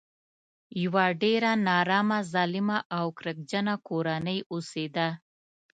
یوه ډېره نارامه ظالمه او کرکجنه کورنۍ اوسېده.